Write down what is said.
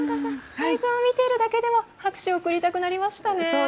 映像を見ているだけでも拍手を送りたくなりましたね。